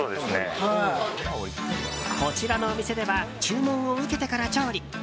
こちらのお店では注文を受けてから調理。